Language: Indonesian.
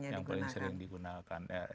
yang paling seringnya digunakan